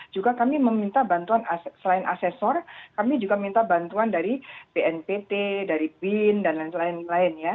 juga kami meminta bantuan selain asesor kami juga minta bantuan dari bnpt dari bin dan lain lain ya